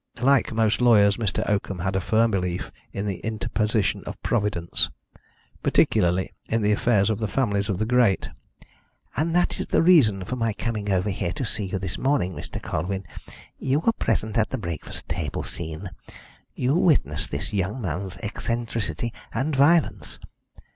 Like most lawyers, Mr. Oakham had a firm belief in the interposition of Providence particularly in the affairs of the families of the great. "And that is the reason for my coming over here to see you this morning, Mr. Colwyn. You were present at the breakfast table scene you witnessed this young man's eccentricity and violence.